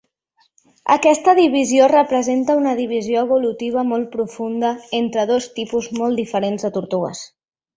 Aquesta divisió representa una divisió evolutiva molt profunda entre dos tipus molt diferents de tortugues.